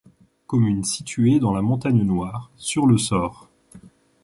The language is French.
Commune située dans la montagne Noire, sur le Sor.